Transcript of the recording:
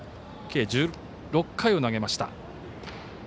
計１６回を投げました。